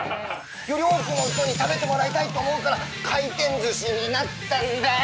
より多くの人に食べてもらいたいと思うから回転寿司になったんだよ！